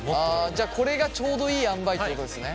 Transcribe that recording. じゃあこれがちょうどいいあんばいってことですね？